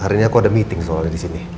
hari ini aku ada meeting soalnya disini